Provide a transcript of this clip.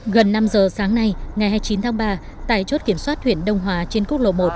gần năm giờ sáng nay ngày hai mươi chín tháng ba tại chốt kiểm soát huyện đông hòa trên quốc lộ một